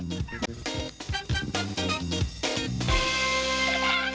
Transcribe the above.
นั่นแน่